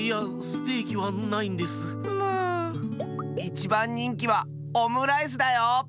いちばんにんきはオムライスだよ。